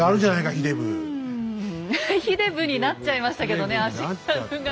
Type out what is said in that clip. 「ひでぶっ！」になっちゃいましたけどね足軽が。